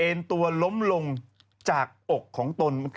ตัวล้มลงจากอกของตน